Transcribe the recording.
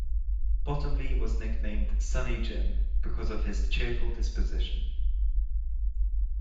Bottomley was nicknamed "Sunny Jim" because of his cheerful disposition.